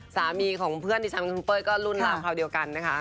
สามีของเพื่อนที่ฉันคุณเป้ยก็รุ่นราวคราวเดียวกันนะคะ